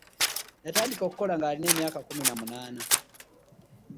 Yatandika okukola ngalina emyaka kumi namunana.